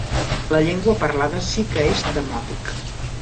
La llengua parlada sí que és demòtic.